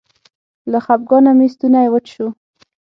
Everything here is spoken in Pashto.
له خپګانه مې ستونی وچ شو.